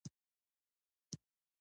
چټکتیا ولې دقت غواړي؟